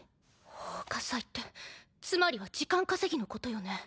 奉火祭ってつまりは時間稼ぎのことよね？